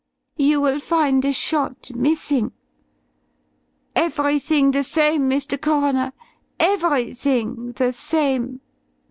You will find a shot missing. Everything the same, Mr. Coroner; everything the same!"